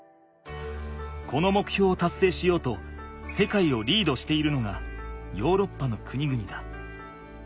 このもくひょうをたっせいしようと世界をリードしているのがヨーロッパの国々だ。